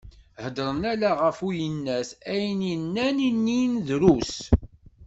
Hedren ala γef uyennat, ayen i nnan inin drus.